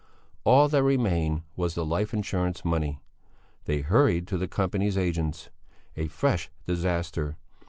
All that remained was the life insurance money. They hurried to the Company's agents. A fresh disaster!